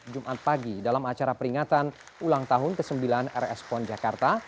jumat pagi dalam acara peringatan ulang tahun ke sembilan rs pon jakarta